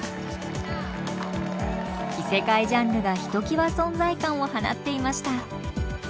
異世界ジャンルがひときわ存在感を放っていました。